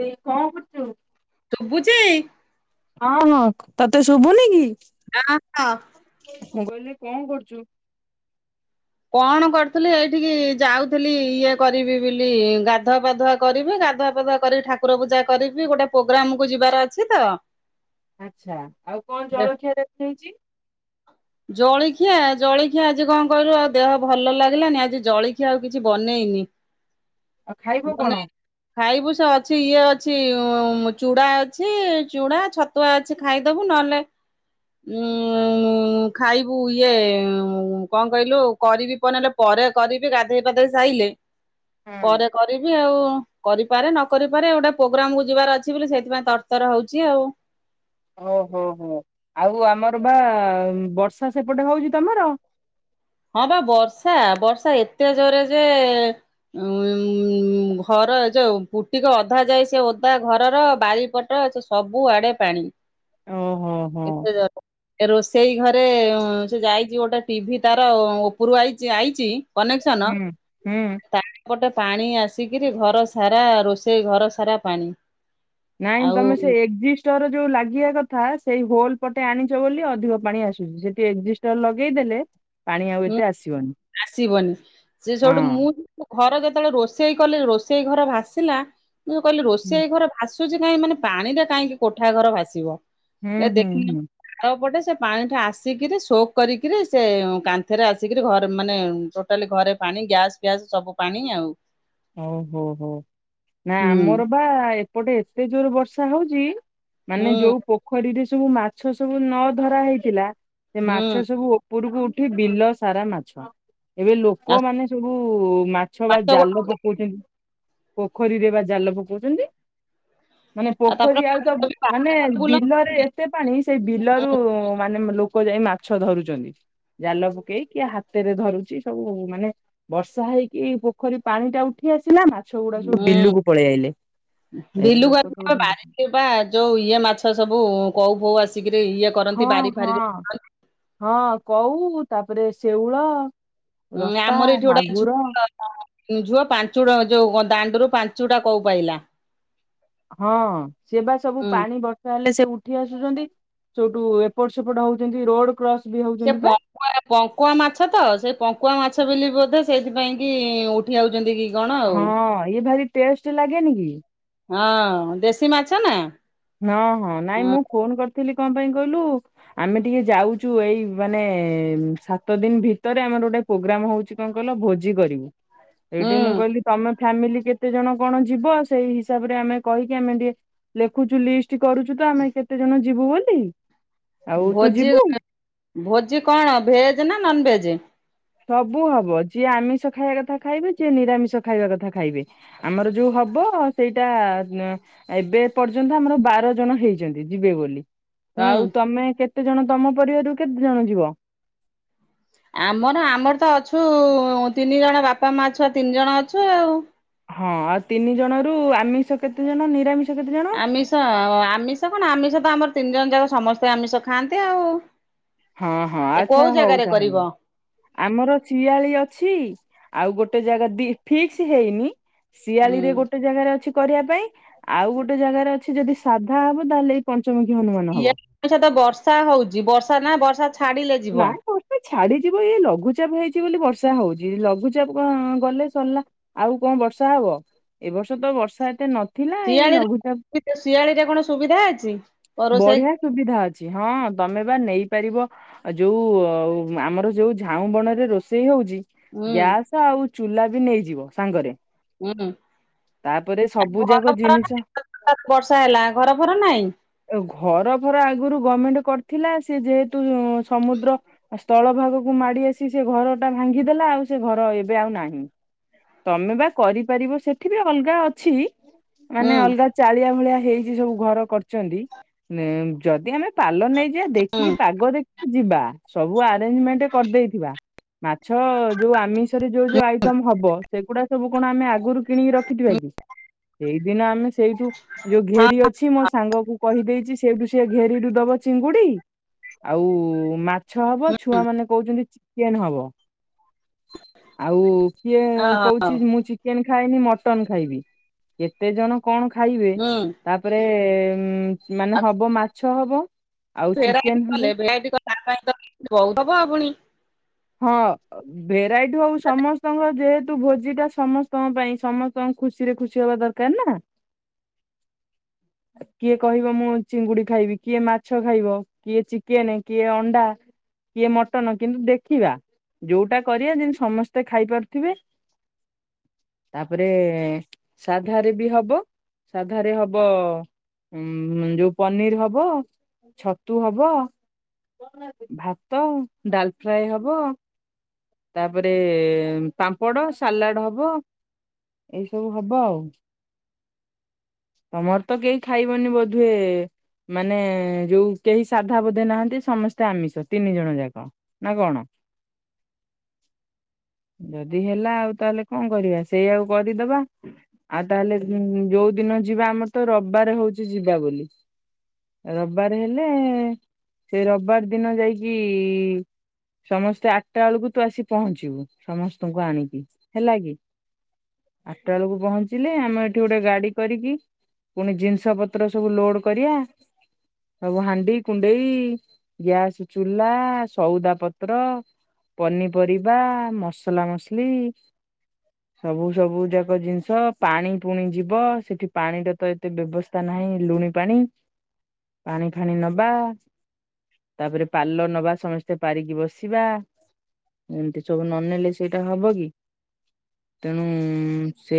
ଦେଇ କଣ କରୁଚୁ? ଶୁଭୁଚି? ହଁ ହଁ ତତେ ଶୁଭୁନି କି? ହାଁ ହ। ମୁଁ କହିଲି କଣ କରୁଚୁ? କଣ କରୁଥିଲି ଏଇଠିକି ଯାଉଥିଲି ଇଏ କରିବି ବୋଲି ଗାଧୁଆ ପାାଧୁଆ କରିବି ଗାଧୁଆ ପାଧୁଆ କହିଲି ଠାକୁର ପୂଜା କରିବି ଗୋଟେ ପୋଗ୍ରାମକୁ ଯିବାର ଅଛି ତ ଆଚ୍ଛା ଆଉ କଣ ଜଳଖିଆରେ ହେଇଛି? ଜଳଖିଆ ଜଳଖିଆ ଆଜି କଣ କହିଲୁ ଆଉ ଦେହ ଭଲ ଲାଗିଲାନି ଆଜି ଜଳଖିଆ ଆଉ କିଛି ବନେଇନି ଆଉ ଖାଇବ କଣ? ବନେଇ ଖାଇବୁ ସେ ଅଛି ଇଏ ଅଛି ଚୁଡା ଅଛି ଚୁଡ଼ା ଛ ଛତୁଆ ଅଛି ଖାଇଦବୁ ନହେଲେ ଉଁ ଖାଇବୁ ଇଏ କଣ କହିଲୁ? କରିବି [inaudible] ପରେ କରିବି ଗାଧେଇ ପାଧେଇ ସାଇଲେ ହଁ ପରେ କରିବି ଆଉ, କରିପାରେ ନ କରିପାରେ ଗୋଟେ ପ୍ରୋଗ୍ରାମକୁ ଯିବାର ଅଛି ବୋଲି ସେଇଥିପାଇଁ ତରତର ହଉଛି ଆଉ ଓହୋ ହୋ ଆଉ ଆମର ବା ବର୍ଷା ସେପଟେ ହଉଛି ତମର? ହଁ ବା ବର୍ଷା, ବର୍ଷା ଏତେ ଜୋରେ ଯେ ଏ ଉଁ ଉଁ ଉଁ ଘର ଯୋଉ ପୁଟିକ ଅଧା ଯାଇ ସେ ଓଦା ଘରର ବାରି ପ ଟ ସବୁ ଆଡେ ପାଣି। ଓହୋ ହୋ ଏତେ ଜୋରେ, ରୋଷେଇ ଘରେ ସେ ଯାଇଛି ଗୋଟେ ଟିଭି ତାର ଉପରୁ ଆଇଚି ଆଇଚି କନେକ୍ସନ ହୁଁ ହୁଁ ତା ସେପଟେ ପାଣି ଆସିକିରି ଘର ସାରା ରୋଷେଇ ଘର ସାରା ପାଣି ନାଇଁଁ ଆଉ ତମେ ସେ ଏକ୍ଜିଷ୍ଟ ର ଲାଗିବା କଥା ସେଇ ହୋଲ ପଟେ ଆଣିଛ ବୋଲି ଅଧିକ ପାଣି ଆସୁଛି ସେଠି ଏକ୍ଜିଷ୍ଟର ତ ଲଗେଇଦେଲେ। ପାଣି ଆଉ ହୁଁ, ଏତେ ଆସିବନି ଆସିବନି ସେ ସେଇଠୁ ହଁ ମୁଁ ଘର ଯେତେବେଳେ ରୋଷେଇ କଲି ରୋଷେଇ ଘର ଭାସିଲା ମୁଁ କହିଲି ହୁଁ ରୋଷେଇ ଘର ଦ୍ଭାସୁଚି କାହିଁ ମାନେ ପାଣିଟା କାହିଁକି କୋଠା ଘର ଭାସିବ ଏ ହୁଁ ଦେଖିକି ହୁଁ ତାପଟେ ସେ ପାଣିଟା ଆସିକିରି ସୋକ କରିକିରି ସେ କାନ୍‌ ସେଥେରେ ଆସିକିରି ଘରେ ମାନେ ଟୋଟାଲି ଘରେ ପାଣି ଗ୍ୟାସ ଫ୍ୟାସ ସବୁ ପାଣି ଆଉ ଓହୋ ହୋ ନା ହୁଁ ଆମର ବା ଏପଟେ ଏତେ ଜୋରେ ବର୍ଷା ହଉଛି ହୁଁ ମାନେ ଯୋଉ ପୋଖରୀରେ ସବୁ ମାଛ ସବୁ ନ ଧରା ହେଇଥିଲା ସେ ମାଛ ହୁଁ ସବୁ ଓପ୍ ଉପରକୁ ଉଠି ବିଲ ସାରା ମାଛ। ଏବେ ଆଉ ଲୋକମାନେ ସବୁ ମାଛ ବା ଜାଲ ପ ପୋଖରୀରେ ବା ଜାଲ ପକଉଛନ୍ତି। ମାନେ ତାପରେ ପୋଖରୀ ଆଉ ତ ମାଛ ବି ମାନେ ବାହାରେ ବିଲରେ ବୁଲନ୍ତିନି ଏତେ ପାଣି ସେ ବିଲରୁ ମାନେ ଲୋକ ଯାଇ ମାଛ ଧରୁଛନ୍ତି। ଜାଲ ପକେଇ କିଏ ହାତରେ ଧରୁଛି ସବୁ ମାନେ ବର୍ଷା ହେଇକି ପୋଖରୀ ପାଣି ଟା ଉଠି ଆସିଲା ନା ମାଛଗୁଡା ସବୁ ହୁଁ ବିଲକୁ ପଳେଇ ଆଇଲେ ଏନେ ବିଲୁକୁ ଲୋକ ସବୁ ଆସିକି ଧ ବାରିରେ ବା ଯୋଉ ଇଏ ମାଛ ସବୁ କଉ ଫଉ ଆସିକିରି ଇଏ ହଁ କରନ୍ତି ବାରି ହଁ, ଫାରିରେ ହଁ କଉ ତାପରେ ଶେଉଳ ହୁଁ ରତା ଆମର ଏଠି ଗୋଟେ ମାଗୁର ଝୁଅ ପାଞ୍ଚୁଟା ଯୋଉ ଦାଣ୍ଡରୁ ପାଞ୍ଚୁଟା କଉ ପାଇଲା। ହଁ ସିଏ ବା ସବୁ ହୁଁ ପାଣି ବ ତାହେଲେ ସେ ଉଠି ଆସୁଛନ୍ତି, ସେଉଟୁ ଏପଟ ସେପଟ ହଉଛନ୍ତି ରୋଡ କ୍ରସ ବି ସେ ହଉଛନ୍ତି ବା ପ ପଙ୍କୁଆ ପଙ୍କୁଆ ମାଛ ତ ସେଇ ପଙ୍କୁଆ ମାଛ ବୋଲି ବୋଧେ ସେଇଥିପାଇଁ କି ଉଠି ଯାଉଛନ୍ତି କି? କଣ ଆଉ। ହଁ ଇଏ ଭାରି ଟେଷ୍ଟ ଲାଗେନି କି? ହଁ ଦେଶୀ ମାଛ ନା। ହଁ ହଁ ନାଇଁ ହୁଁ ମୁଁ ଫୋନ କରିଥିଲି କଣ ପାଇଁ କହିଲୁ? ଆମେ ଟିକେ ଯାଉଛୁ ଏଇ ମାନେ ସାତ ଦିନ ଭିତରେ ଆମର ଗୋଟେ ପୋଗ୍ରାମ ହଉଛି କଣ କଇଲ ଭୋଜି କରିବୁ। ଏଇଠି ମୁଁ କହିଲି ତମେ ଫ୍ୟାମିଲି କେତେଜଣ କଣ ଯିବ ସେଇ ହିସାବରେ ଆମେ କହିକି ଆମେ ଟିକେ ଟିକେ ରଖୁଛୁ ଲିଷ୍ଟ କରୁଛୁ ତ ଆମେ କେତେ ଜଣ ଯିବୁ ବୋଲି? ଆଉ ତୁ ଭୋଜି, ଯିବୁ ଭୋଜି କଣ ଭେଜ ନା ନନ ଭେଜ? ସବୁ ହବ ଯିଏ ଆମିଷ ଖାଇବା କଥା ଖାଇବେ, ଯିଏ ନିରାମିଷ ଖାଇବା କଥା ଖାଇବେ। ଆମର ଯୋଉ ହବ ସେଇଟା, ଏବେ ପର୍ଯ୍ୟନ୍ତ ଆମର ବାର ଜଣ ହେଇଛନ୍ତି ଯିବେ ବୋଲି। ହୁଁ ଆଉ ତମେ କେତେ ଜଣ ତମ ପରିବାରରୁ କେତେ ଜଣ ଯିବ? ଆମର ଆମର ତ ଅଛୁ ତିନି ଜଣ ବାପା ମା ଛୁଆ ତିନି ଜଣ ଅଛୁ ଆଉ। ହଁ ଆଉ ତିନି ଜଣ ରୁ ଆମିଷ କେତେ ଜଣ ନିରାମିଷ କେତେ ଜଣ? ତ ଆମିଷ କଣ ଆମିଷ ତ ଆମର ତିନି ଜଣ ଯାକ ସମସ୍ତେ ଆମିଷ ଖାଆନ୍ତି ଆଉ। ହଁ ହଁ କୋଉ ଆଚ୍ଛା ହଉ ଜାଗାରେ କରିବ? ତାହେଲେ। ଆମର ଝିଆଳୀ ଅଛି, ଆଉ ଗୋଟେ ଜାଗା ବି ଫିକ୍ସ ହେଇନି ହୁଁ ଶିଆଳିରେ ଗୋଟେ ଜାଗାରେ ଅଛି କରିବା ପାଇଁ, ଆଉ ଗୋଟେ ଜାଗାରେ ଅଛି ଯଦି ସାଧା ହବ ତାହେଲେ ଏ ପଞ୍ଚମୁଖୀ ହନୁମାନ ହବ! ଏଇଠି ତ ବର୍ଷା ହଉଛି ବର୍ଷା ନା ବର୍ଷା! ଛାଡିଲେ ଯିବା ନାଁ [inaudible] ଛାଡିଯିବ ଏଇ ଲଘୁଚାପ ହେଇଛି ବୋଲି ବର୍ଷା ହଉଛି, ଲଘୁଚାପ ଗଲେ ସରିଲା! ଆଉ କଣ ବର୍ଷା ହବ, ଏ ବର୍ଷ ତ ବର୍ଷା ଏତେ ନଥିଲା ଏଇ ଲଘୁଚାପ ଶିଆଳି ରେ କଣ ସୁବିଧା ଅଛି? ରୋଷେଇ ବଢିଆ ସୁବିଧା ଅଛି, ହଁ ତମେ ବା ନେଇପାରିବ ଆଉ ଯୋଉ ଆମର ଯୋଉ ଝାଉଁ ବଣ ରେ ରୋଷେଇ ହଉଛି ହୁଁ ଗ୍ୟାସ ଆଉ ଚୁଲା ବି ନେଇଯିବ ସାଙ୍ଗରେ। ହୁଁ ତାପରେ ସବୁ ଯାକ ଜିନିଷ ହଠାତ୍ ବର୍ଷା ହେଲା ଘର ଫର ନାଇଁ? ଘର ଫର ଆଗରୁ ଗମେଣ୍ଟ କରିଥିଲା, ସେ ଯେହେତୁ ସମୁଦ୍ର ଆଉ ସ୍ଥଳ ଭାଗକୁ ମାଡି ଆସି ସେ ଘର ଟା ଭାଙ୍ଗିଦେଲା ଆଉ ସେ ଘର ଏବେ ଆଉ ନାହିଁ। ତମେ ବା କରିପାରିବ ସେଠି ବି ଅଲଗା ଅଛି! ହୁଁ ମାନେ ଅଲଗା ଚାଳିଆ ଭଳିଆ ହେଇଛି ସବୁ ଘର କର! ଯଦି ଆମେ ପାଲ ନେଇଯିବା ହୁଁ ଦେଖିକି ପାଗ ଦେଖ ଯିବା ସବୁ ଆରେଞ୍ଜମେଣ୍ଟ କରିଦେଇଥିବା। ମାଛ ଯୋଉ ଆମିଷରେ ଯୋଉ ଯୋଉ ଆଇଟମ ହବ, ସେଗୁଡା ସବୁ କଣ ଆମେ ଆଗରୁ କିଣିକି ରଖିଥିବା କି? ସେଇଦିନ ଆମେ ସେଇଠୁ ଯୋଉ ହଁ ଘେରି ଅଛି ମୋ ସାଙ୍ଗକୁ କହିଦେଇଛି, ସେଇଠୁ ସେ ଘେରିରୁୁ ଦବ ଚିଙ୍ଗୁଡି! ଆଉ ମାଛ ହବ, ଛୁଆ ମାନେ କହୁଛନ୍ତି ଚିକେନ ହବ। ଆଉ କିଏ କହୁଛି, ମୁଁ ଚିକେନ ଖାଏନି ମଟନ ଖାଇବି। କେତେ ଜଣ କଣ ଖାଇବେ, ହୁଁ ତାପରେ ମାନେ ଆଉ ହବ ମାଛ ହବ। ଆଉ ଚିକେନ ଭେରାଇଟି କଲେ ହବ ଭେରାଇଟି କଲେ ତା ପାଇଁ ବହୁତ ହବ ପୁଣି! ହଁ! ଭେରାଇଟି ହଉ ସମସ୍ତଙ୍କ ଯେହେତୁ ଭୋଜି ଟା ସମସ୍ତଙ୍କ ପାଇଁ ସମସ୍ତଙ୍କ ଖୁସିରେ ଖୁସି ହବା ଦରକାର। [unintelligible] ନା! କିଏ କହିବ ମୁଁ ଚିଙ୍ଗୁଡି ଖାଇବି, କିଏ ମାଛ ଖାଇବ, କିଏ ଚିକେନ, କିଏ ଅଣ୍ଡା କିଏ ମଟନ କିନ୍ତୁ ଦେଖ ଦେଖିବା, ଯୋଉଟା କରିବା ଯେମିତି ସମସ୍ତେ ଖାଇପାରୁଥିବେ। ତାପରେ ସାଧାରେ ବି ହବ, ସାଧାରେ ହବ ଉଁ ଯୋଉ ପନିର ହବ, ଛତୁ ହବ ଭାତ ଡାଲ ଫ୍ରାଏ ହବ। ତାପରେ ପାମ୍ପଡ, ସାଲାଡ ହବ ଏଇ ସବୁ ହବ ଆଉ। ତମର ତ କେଇ ଖାଇବନି ବୋଧେ? ମାନେ ଯୋଉ କେହି ସାଧା ବୋଧେ ନାହାନ୍ତି, ସମସ୍ତେ ଆମିଷ ତିନି ଜଣ ଯାକ? ନା କଣ? ଯଦି ହେଲା ଆଉ ତାହେଲେ କଣ କରିବା? ସେଇଆଉ କରିଦବା। ଆଉ ତାହେଲେ ଉଁ ଯୋଉ ଦିନ ଯିବା ଆମର ତ ରବିବାର ହଉଛି ଯିବା ବୋଲି। ରବବାର ହେଲେ, ସେ ରବବାର ଦିନ ଯାଇକି ସମସ୍ତେ ଆଠଟା ବେଳକୁ ତୁ ଆସି ପହଞ୍ଚିବୁ। ସମସ୍ତଙ୍କୁ ଆଣିକି ହେଲା କି। ଆଠଟା ବେଳକୁ ପହଞ୍ଚିଲେ, ଆମେ ଏଠି ଗୋଟେ ଗାଡି କରିକି ପୁଣି ଜିନିଷ ପତ୍ର ସବୁ ଲୋଡ କରିବା। ସବୁ ହାଣ୍ଡି କୁଣ୍ଡେଇ, ଗ୍ୟାସ ଚୁଲା ସଉଦା ପତ୍ର, ପନିପରିବା, ମସଲା ମସଲି ସବୁ ସବୁ ଯାକ ଜିନିଷ ପାଣି ପୁଣି ଯିବ। ସେଠି ପାଣି ଟା ତ ଏତେ ବ୍ୟବସ୍ଥା ସ୍ଥା ନାହିଁ ଲୁଣି ପାଣି। ପାଣି ଫାଣି ନବା। ତାପରେ ପାଲ ନବା ସମସ୍ତେ। ସ୍ତେ ପାରିକି ବସିବା। ଏମିତି ସବୁ ନନେଲେ ସେଇଟା ହବ କି? ତେଣୁ ସେ